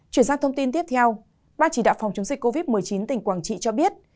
chuyển sang thông tin tiếp theo ban chỉ đạo phòng chống dịch covid một mươi chín tỉnh quảng trị cho biết